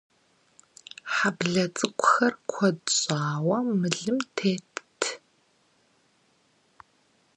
Хьэблэ цӀыкӀухэр куэд щӀауэ мылым тетт.